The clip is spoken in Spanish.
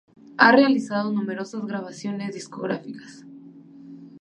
Ha realizado numerosas grabaciones discográficas.